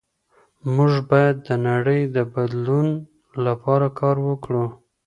موږ باید د نړۍ د بدلون لپاره کار وکړو.